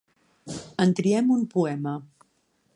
En triem un poema.